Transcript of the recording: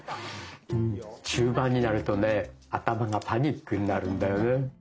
中盤になるとね頭がパニックになるんだよね。